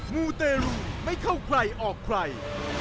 มูเตรูไม่เข้าใครออกใคร